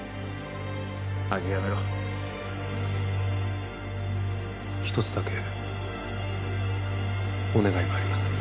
諦めろ一つだけお願いがあります